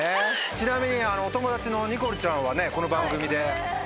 ちなみにお友達のニコルちゃんはこの番組で。